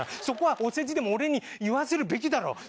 そこはお世辞でも俺に言わせるべきだろ。